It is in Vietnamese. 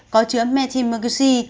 có chứa methimoxy